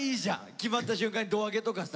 決まった瞬間に胴上げとかさ。